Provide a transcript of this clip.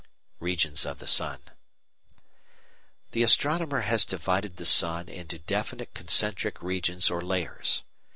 Regions of the Sun The astronomer has divided the sun into definite concentric regions or layers.